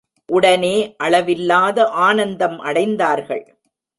உடனே, அளவில்லாத ஆனந்தம் அடைந்தார்கள்.